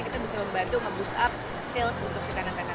kita bisa membantu nge boost up sales untuk si tenant tenant itu